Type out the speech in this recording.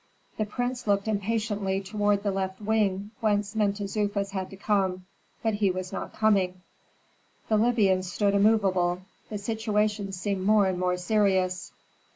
The prince looked impatiently toward the left wing whence Mentezufis had to come, but he was not coming. The Libyans stood immovable, the situation seemed more and more serious.